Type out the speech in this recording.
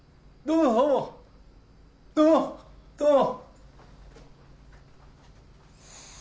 どうも。